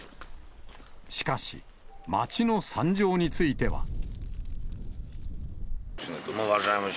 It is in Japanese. しかし、街の惨状については。